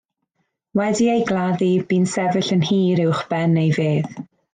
Wedi ei gladdu, bu'n sefyll yn hir uwch ben ei fedd.